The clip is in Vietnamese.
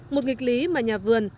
một nghịch lý mà nhà vườn